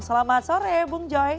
selamat sore bung joy